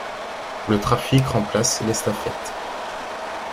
Le Trafic remplace l'Estafette.